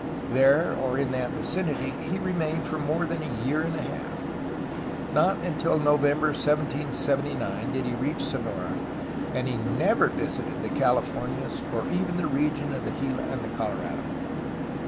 There or in that vicinity he remained for more than a year and a half. Not until November 1779 did he reach Sonora, and he never visited the Californias or even the region of the Gila and Colorado.